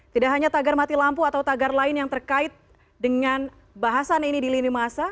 tidak hanya tagar mati lampu atau tagar lain yang terkait dengan bahasan ini di lini masa